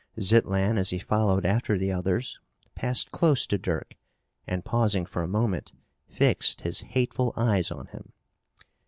Zitlan, as he followed after the others, passed close to Dirk and, pausing for a moment, fixed his hateful eyes on him.